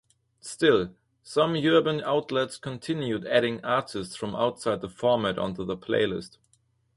Still, some urban outlets continued adding artists from outside the format onto their playlist.